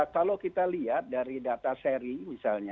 kalau kita lihat dari data seri misalnya